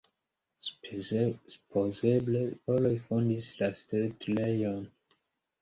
Supozeble poloj fondis la setlejon.